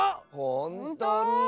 ほんとに？